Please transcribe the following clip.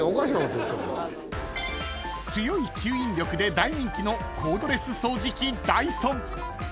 ［強い吸引力で大人気のコードレス掃除機ダイソン］